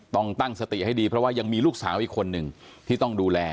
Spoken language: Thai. ต้องตั้งสติให้ดีเพราะว่ายังมีลูกสาวอีกคนหนึ่งที่ต้องดูแล